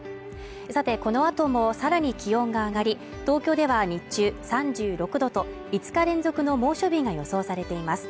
さてこのあともさらに気温が上がり東京では日中３６度と５日連続の猛暑日が予想されています